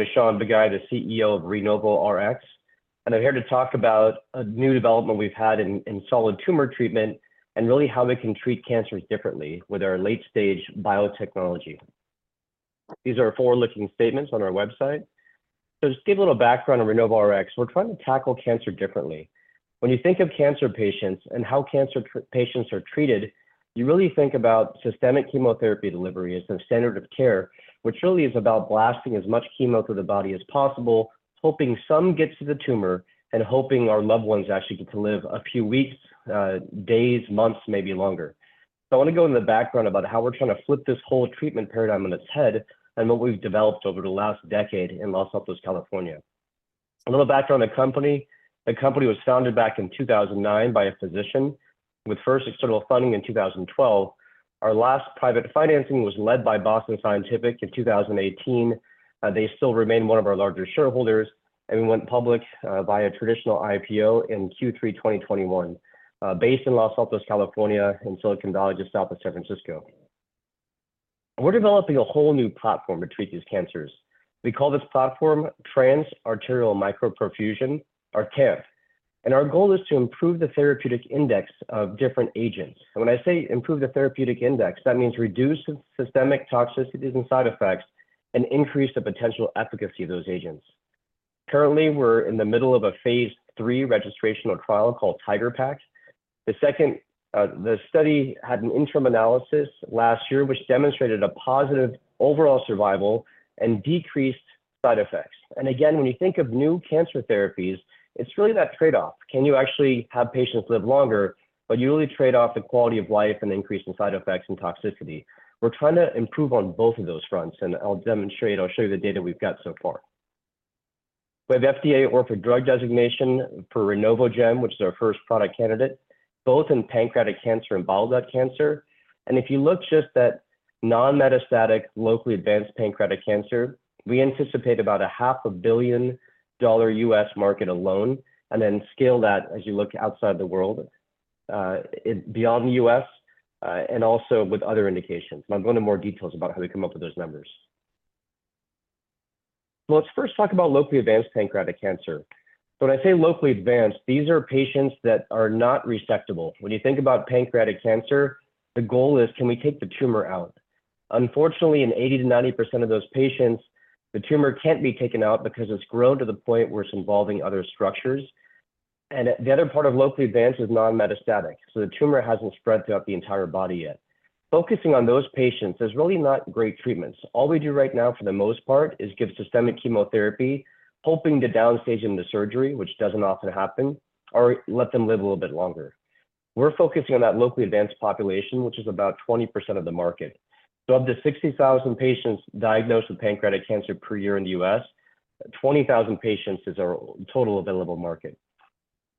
I'm Shaun Bagai, the CEO of RenovoRx, and I'm here to talk about a new development we've had in solid tumor treatment and really how we can treat cancers differently with our late-stage biotechnology. These are forward-looking statements on our website. To give a little background on RenovoRx, we're trying to tackle cancer differently. When you think of cancer patients and how cancer patients are treated, you really think about systemic chemotherapy delivery as the standard of care, which really is about blasting as much chemo through the body as possible, hoping some get to the tumor, and hoping our loved ones actually get to live a few weeks, days, months, maybe longer. I want to go into the background about how we're trying to flip this whole treatment paradigm on its head and what we've developed over the last decade in Los Altos, California. A little background on the company: the company was founded back in 2009 by a physician with first external funding in 2012. Our last private financing was led by Boston Scientific in 2018. They still remain one of our larger shareholders, and we went public via traditional IPO in Q3 2021, based in Los Altos, California, in Silicon Valley, just south of San Francisco. We're developing a whole new platform to treat these cancers. We call this platform Trans-Arterial Micro-Perfusion, or TAMP, and our goal is to improve the therapeutic index of different agents. And when I say improve the therapeutic index, that means reduce systemic toxicities and side effects and increase the potential efficacy of those agents. Currently, we're in the middle of a Phase III registration trial called TIGeR-PaC. The study had an interim analysis last year which demonstrated a positive overall survival and decreased side effects. Again, when you think of new cancer therapies, it's really that trade-off: can you actually have patients live longer, but you really trade off the quality of life and increase in side effects and toxicity? We're trying to improve on both of those fronts, and I'll demonstrate, I'll show you the data we've got so far. We have FDA Breakthrough Therapy Designation for RenovoGem, which is our first product candidate, both in pancreatic cancer and bile duct cancer. And if you look just at non-metastatic, locally advanced pancreatic cancer, we anticipate about a $500 million U.S. market alone, and then scale that as you look outside the world, beyond the U.S., and also with other indications. And I'll go into more details about how we come up with those numbers. Well, let's first talk about locally advanced pancreatic cancer. So when I say locally advanced, these are patients that are not resectable. When you think about pancreatic cancer, the goal is, can we take the tumor out? Unfortunately, in 80%-90% of those patients, the tumor can't be taken out because it's grown to the point where it's involving other structures. And the other part of locally advanced is non-metastatic, so the tumor hasn't spread throughout the entire body yet. Focusing on those patients is really not great treatments. All we do right now, for the most part, is give systemic chemotherapy, hoping to downstage them to surgery, which doesn't often happen, or let them live a little bit longer. We're focusing on that locally advanced population, which is about 20% of the market. So of the 60,000 patients diagnosed with pancreatic cancer per year in the U.S., 20,000 patients is our total available market.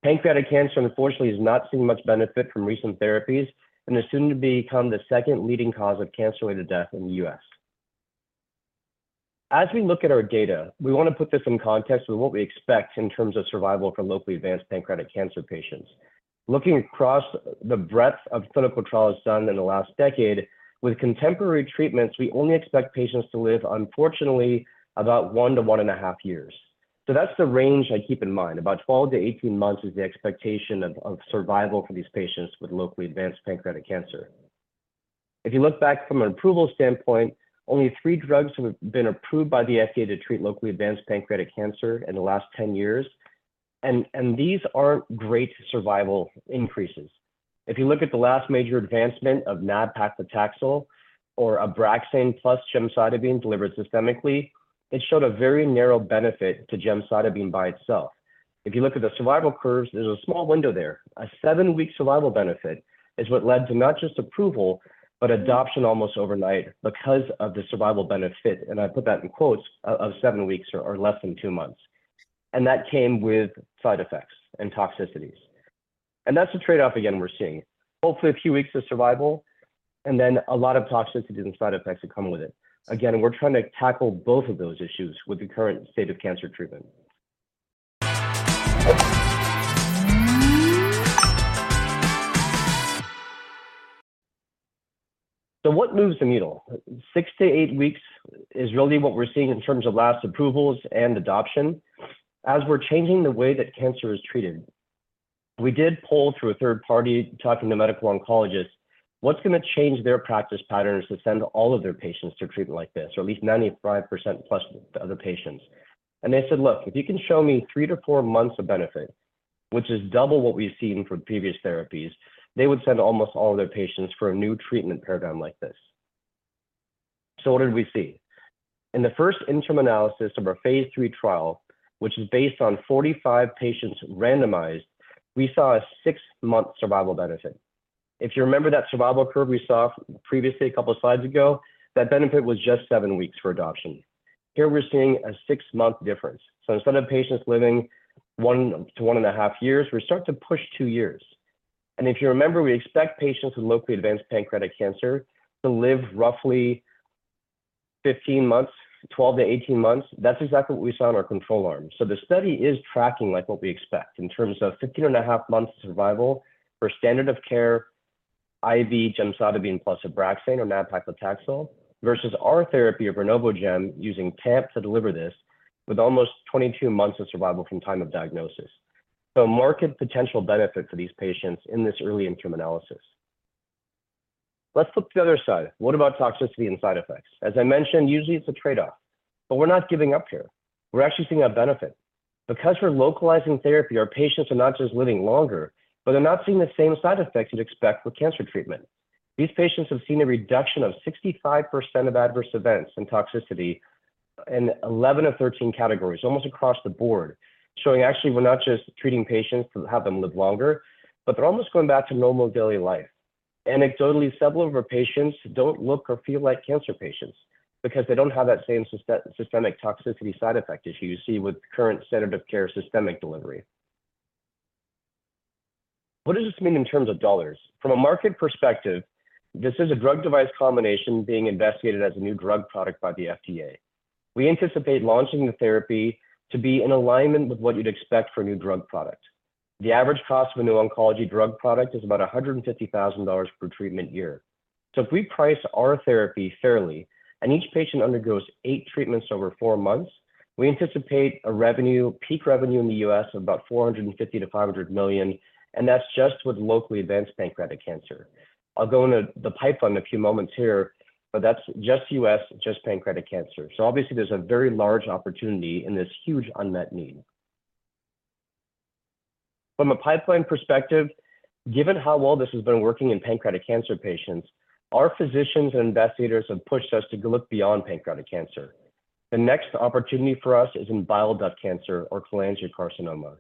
Pancreatic cancer, unfortunately, is not seeing much benefit from recent therapies and is soon to become the second leading cause of cancer-related death in the U.S. As we look at our data, we want to put this in context with what we expect in terms of survival for locally advanced pancreatic cancer patients. Looking across the breadth of clinical trials done in the last decade, with contemporary treatments, we only expect patients to live, unfortunately, about 1-1.5 years. So that's the range I keep in mind: about 12-18 months is the expectation of survival for these patients with locally advanced pancreatic cancer. If you look back from an approval standpoint, only three drugs have been approved by the FDA to treat locally advanced pancreatic cancer in the last 10 years, and these aren't great survival increases. If you look at the last major advancement of nab-paclitaxel or Abraxane plus gemcitabine delivered systemically, it showed a very narrow benefit to gemcitabine by itself. If you look at the survival curves, there's a small window there. A seven-week survival benefit is what led to not just approval but adoption almost overnight because of the survival benefit, and I put that in quotes, "of seven weeks" or "less than two months." And that came with side effects and toxicities. And that's the trade-off, again, we're seeing: hopefully a few weeks of survival, and then a lot of toxicities and side effects that come with it. Again, we're trying to tackle both of those issues with the current state of cancer treatment. So what moves the needle? 6-8 weeks is really what we're seeing in terms of last approvals and adoption as we're changing the way that cancer is treated. We did pull through a third party talking to medical oncologists what's going to change their practice patterns to send all of their patients to treatment like this, or at least 95% plus the other patients. And they said, "Look, if you can show me 3-4 months of benefit, which is double what we've seen from previous therapies, they would send almost all of their patients for a new treatment paradigm like this." So what did we see? In the first interim analysis of our Phase III trial, which is based on 45 patients randomized, we saw a 6-month survival benefit. If you remember that survival curve we saw previously a couple of slides ago, that benefit was just 7 weeks for addition. Here we're seeing a 6-month difference. So instead of patients living 1-1.5 years, we start to push 2 years. And if you remember, we expect patients with locally advanced pancreatic cancer to live roughly 15 months, 12-18 months. That's exactly what we saw in our control arm. So the study is tracking what we expect in terms of 15.5 months of survival for standard of care IV gemcitabine + Abraxane or nab-paclitaxel versus our therapy of RenovoGem using TAMP to deliver this with almost 22 months of survival from time of diagnosis. So a marked potential benefit for these patients in this early interim analysis. Let's look to the other side. What about toxicity and side effects? As I mentioned, usually it's a trade-off, but we're not giving up here. We're actually seeing a benefit. Because we're localizing therapy, our patients are not just living longer, but they're not seeing the same side effects you'd expect with cancer treatment. These patients have seen a reduction of 65% of adverse events and toxicity in 11 of 13 categories, almost across the board, showing actually we're not just treating patients to have them live longer, but they're almost going back to normal daily life. Anecdotally, several of our patients don't look or feel like cancer patients because they don't have that same systemic toxicity side effect issue you see with current standard of care systemic delivery. What does this mean in terms of dollars? From a market perspective, this is a drug-device combination being investigated as a new drug product by the FDA. We anticipate launching the therapy to be in alignment with what you'd expect for a new drug product. The average cost of a new oncology drug product is about $150,000 per treatment year. So if we price our therapy fairly and each patient undergoes 8 treatments over 4 months, we anticipate a revenue, peak revenue in the U.S., of about $450 million-$500 million, and that's just with locally advanced pancreatic cancer. I'll go into the pipeline in a few moments here, but that's just U.S., just pancreatic cancer. So obviously, there's a very large opportunity in this huge unmet need. From a pipeline perspective, given how well this has been working in pancreatic cancer patients, our physicians and investigators have pushed us to look beyond pancreatic cancer. The next opportunity for us is in bile duct cancer or cholangiocarcinoma.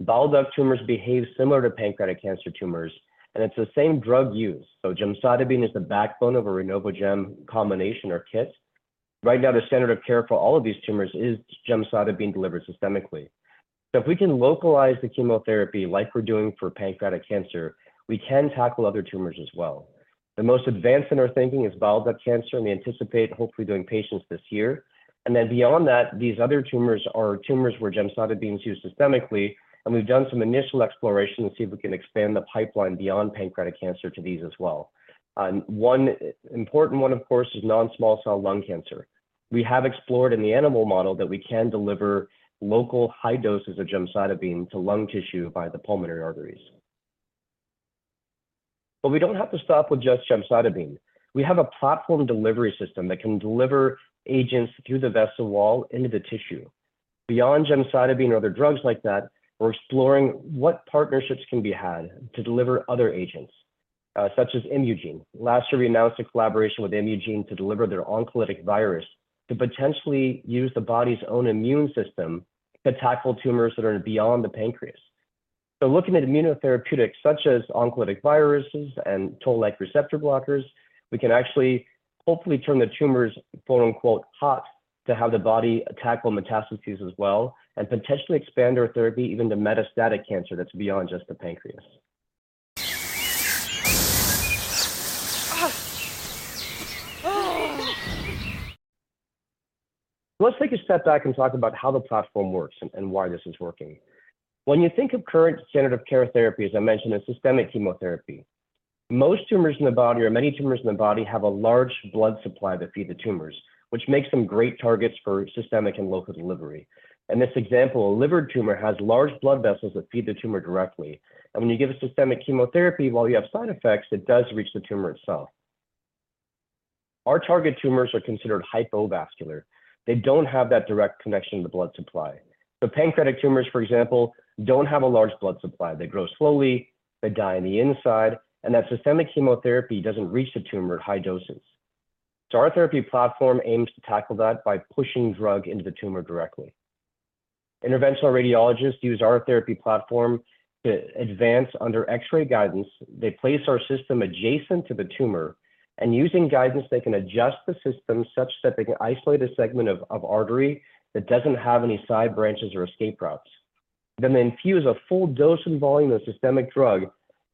Bile duct tumors behave similar to pancreatic cancer tumors, and it's the same drug used. Gemcitabine is the backbone of a RenovoGem combination or kit. Right now, the standard of care for all of these tumors is gemcitabine delivered systemically. If we can localize the chemotherapy like we're doing for pancreatic cancer, we can tackle other tumors as well. The most advanced in our thinking is bile duct cancer, and we anticipate, hopefully, doing patients this year. Then beyond that, these other tumors are tumors where gemcitabine is used systemically, and we've done some initial exploration to see if we can expand the pipeline beyond pancreatic cancer to these as well. One important one, of course, is non-small cell lung cancer. We have explored in the animal model that we can deliver local high doses of gemcitabine to lung tissue via the pulmonary arteries. But we don't have to stop with just gemcitabine. We have a platform delivery system that can deliver agents through the vessel wall into the tissue. Beyond gemcitabine or other drugs like that, we're exploring what partnerships can be had to deliver other agents, such as Imugene. Last year, we announced a collaboration with Imugene to deliver their oncolytic virus to potentially use the body's own immune system to tackle tumors that are beyond the pancreas. Looking at immunotherapeutics such as oncolytic viruses and Toll-like receptor blockers, we can actually, hopefully, turn the tumors "hot" to have the body tackle metastases as well and potentially expand our therapy even to metastatic cancer that's beyond just the pancreas. Let's take a step back and talk about how the platform works and why this is working. When you think of current standard of care therapy, as I mentioned, it's systemic chemotherapy. Most tumors in the body or many tumors in the body have a large blood supply that feeds the tumors, which makes them great targets for systemic and local delivery. In this example, a liver tumor has large blood vessels that feed the tumor directly. When you give it systemic chemotherapy, while you have side effects, it does reach the tumor itself. Our target tumors are considered hypovascular. They don't have that direct connection to the blood supply. Pancreatic tumors, for example, don't have a large blood supply. They grow slowly. They die on the inside, and that systemic chemotherapy doesn't reach the tumor at high doses. Our therapy platform aims to tackle that by pushing drug into the tumor directly. Interventional radiologists use our therapy platform to advance under X-ray guidance. They place our system adjacent to the tumor, and using guidance, they can adjust the system such that they can isolate a segment of artery that doesn't have any side branches or escape routes. Then they infuse a full dose and volume of systemic drug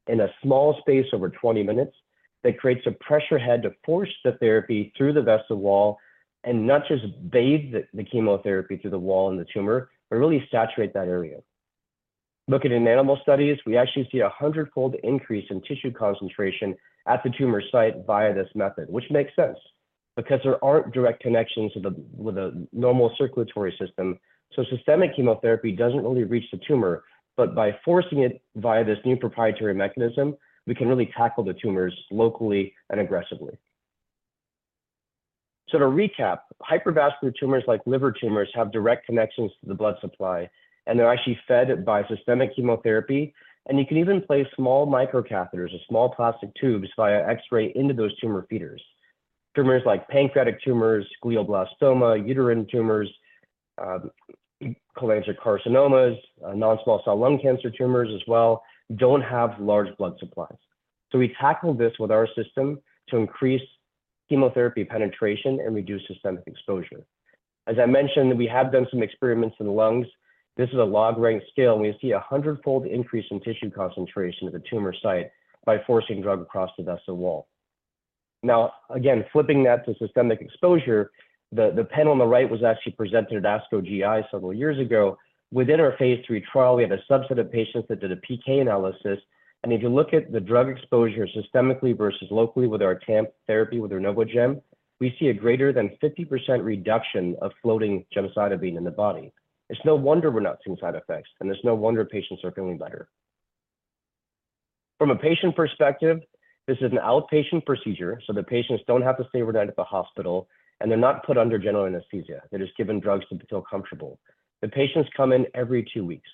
in a small space over 20 minutes. That creates a pressure head to force the therapy through the vessel wall and not just bathe the chemotherapy through the wall in the tumor, but really saturate that area. Looking at animal studies, we actually see a 100-fold increase in tissue concentration at the tumor site via this method, which makes sense because there aren't direct connections with a normal circulatory system. So systemic chemotherapy doesn't really reach the tumor, but by forcing it via this new proprietary mechanism, we can really tackle the tumors locally and aggressively. So to recap, hypervascular tumors like liver tumors have direct connections to the blood supply, and they're actually fed by systemic chemotherapy. You can even place small microcatheters or small plastic tubes via X-ray into those tumor feeders. Tumors like pancreatic tumors, glioblastoma, uterine tumors, cholangiocarcinomas, non-small cell lung cancer tumors as well don't have large blood supplies. So we tackle this with our system to increase chemotherapy penetration and reduce systemic exposure. As I mentioned, we have done some experiments in lungs. This is a log-rank scale, and we see a hundredfold increase in tissue concentration at the tumor site by forcing drug across the vessel wall. Now, again, flipping that to systemic exposure, the panel on the right was actually presented at ASCO GI several years ago. Within our Phase III trial, we had a subset of patients that did a PK analysis. And if you look at the drug exposure systemically versus locally with our TAMP therapy with RenovoGem, we see a greater than 50% reduction of floating gemcitabine in the body. It's no wonder we're not seeing side effects, and it's no wonder patients are feeling better. From a patient perspective, this is an outpatient procedure, so the patients don't have to stay overnight at the hospital, and they're not put under general anesthesia. They're just given drugs to feel comfortable. The patients come in every two weeks.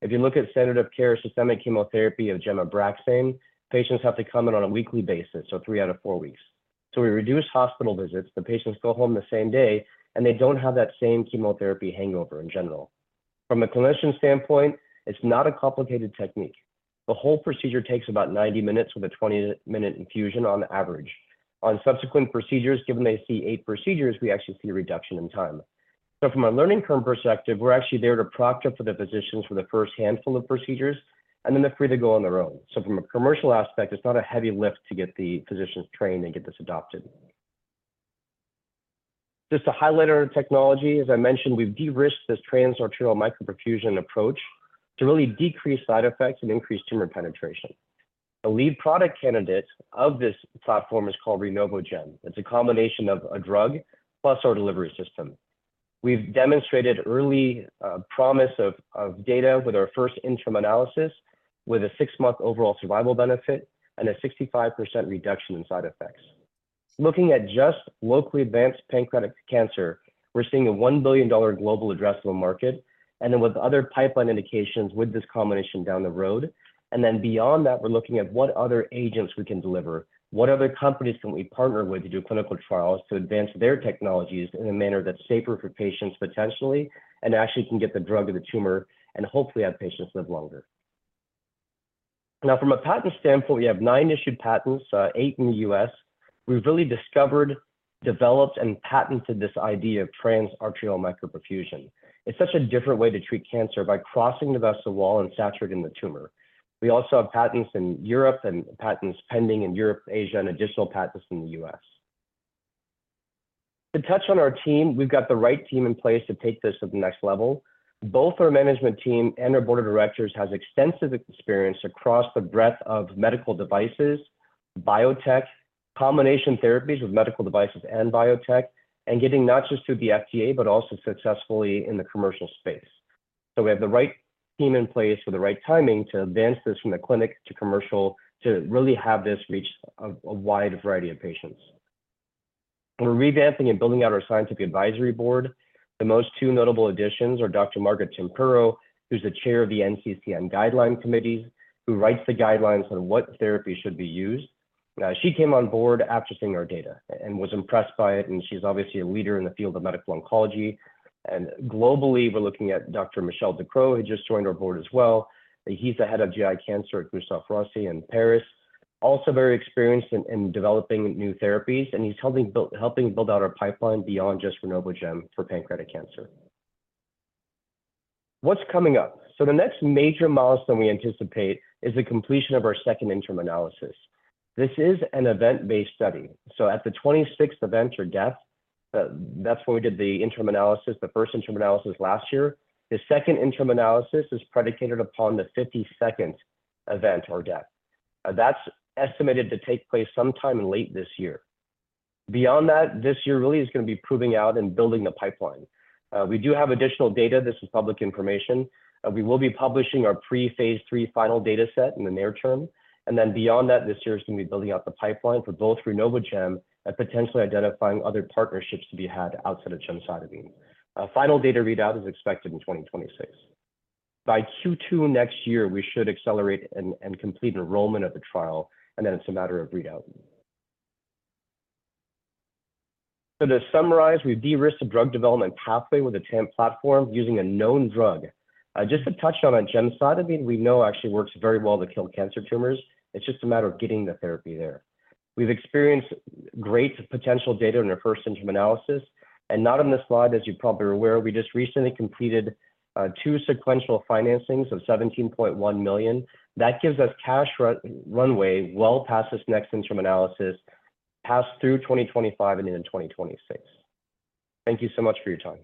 If you look at standard of care systemic chemotherapy of Gem/Abraxane, patients have to come in on a weekly basis, so three out of four weeks. So we reduce hospital visits. The patients go home the same day, and they don't have that same chemotherapy hangover in general. From a clinician standpoint, it's not a complicated technique. The whole procedure takes about 90 minutes with a 20-minute infusion on average. On subsequent procedures, given they see 8 procedures, we actually see a reduction in time. So from a learning curve perspective, we're actually there to proctor for the physicians for the first handful of procedures, and then they're free to go on their own. So from a commercial aspect, it's not a heavy lift to get the physicians trained and get this adopted. Just to highlight our technology, as I mentioned, we've de-risked this Trans-Arterial Micro-Perfusion approach to really decrease side effects and increase tumor penetration. A lead product candidate of this platform is called RenovoGem. It's a combination of a drug plus our delivery system. We've demonstrated early promise of data with our first interim analysis with a 6-month overall survival benefit and a 65% reduction in side effects. Looking at just locally advanced pancreatic cancer, we're seeing a $1 billion global addressable market and then with other pipeline indications with this combination down the road. Then beyond that, we're looking at what other agents we can deliver, what other companies can we partner with to do clinical trials to advance their technologies in a manner that's safer for patients potentially and actually can get the drug to the tumor and hopefully have patients live longer. Now, from a patent standpoint, we have nine issued patents, eight in the U.S. We've really discovered, developed, and patented this idea of Trans-Arterial Micro-Perfusion. It's such a different way to treat cancer by crossing the vessel wall and saturating the tumor. We also have patents in Europe and patents pending in Europe, Asia, and additional patents in the U.S. To touch on our team, we've got the right team in place to take this to the next level. Both our management team and our board of directors have extensive experience across the breadth of medical devices, biotech, combination therapies with medical devices and biotech, and getting not just through the FDA but also successfully in the commercial space. So we have the right team in place with the right timing to advance this from the clinic to commercial to really have this reach a wide variety of patients. We're revamping and building out our scientific advisory board. The most two notable additions are Dr. Margaret Tempero, who's the chair of the NCCN guideline committees, who writes the guidelines on what therapy should be used. She came on board after seeing our data and was impressed by it, and she's obviously a leader in the field of medical oncology. Globally, we're looking at Dr. Michel Ducreux, who just joined our board as well. He's the head of GI cancer at Gustave Roussy in Paris, also very experienced in developing new therapies, and he's helping build out our pipeline beyond just RenovoGem for pancreatic cancer. What's coming up? So the next major milestone we anticipate is the completion of our second interim analysis. This is an event-based study. So at the 26th event or death, that's when we did the interim analysis, the first interim analysis last year. The second interim analysis is predicated upon the 52nd event or death. That's estimated to take place sometime in late this year. Beyond that, this year really is going to be proving out and building the pipeline. We do have additional data. This is public information. We will be publishing our pre-Phase III final dataset in the near term. Then beyond that, this year is going to be building out the pipeline for both RenovoGem and potentially identifying other partnerships to be had outside of gemcitabine. Final data readout is expected in 2026. By Q2 next year, we should accelerate and complete enrollment of the trial, and then it's a matter of readout. So to summarize, we've de-risked a drug development pathway with the TAMP platform using a known drug. Just to touch on gemcitabine, we know actually works very well to kill cancer tumors. It's just a matter of getting the therapy there. We've experienced great potential data in our first interim analysis. And not on this slide, as you're probably aware, we just recently completed two sequential financings of $17.1 million. That gives us cash runway well past this next interim analysis, past through 2025 and into 2026. Thank you so much for your time.